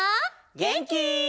げんき？